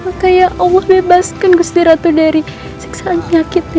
maka ya allah bebaskan ustilatu dari siksa dan penyakitnya